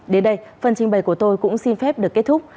đến đây phần trình bày của tôi cũng xin phép được kết thúc